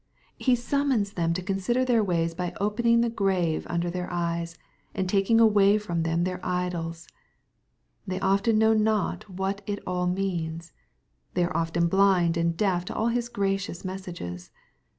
He simmions them to consider their ways by opening the grave under their eyes, and taking away from them their idols. They often know not what it all means. They are often blind and deaf to all His gracious messages.